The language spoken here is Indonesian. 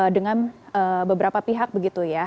dengan beberapa pihak begitu ya